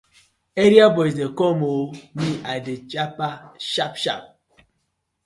Area boys dey com ooo, me I dey jappa sharp sharp.